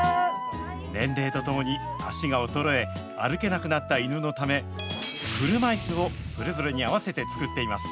年齢とともに足が衰え、歩けなくなった犬のため、車いすをそれぞれに合わせて作っています。